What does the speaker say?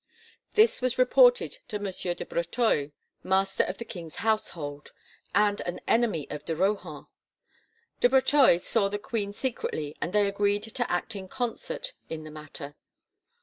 This was reported to M. de Breteuil, Master of the King's household, and an enemy of de Rohan. De Breteuil saw the queen secretly and they agreed to act in concert in the matter.